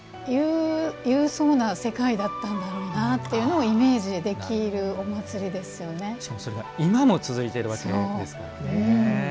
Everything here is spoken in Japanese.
勇壮な世界だったんだろうなというのをしかもそれが今も続いているわけですからね。